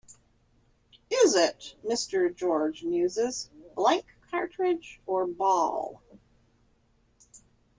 "Is it," Mr. George muses, "blank cartridge or ball?"